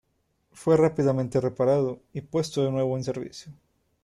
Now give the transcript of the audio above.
Fue rápidamente reparado y puesto de nuevo en servicio.